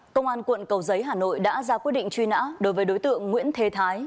công an quận cầu giấy hà nội đã ra quyết định truy nã đối với đối tượng nguyễn thế thái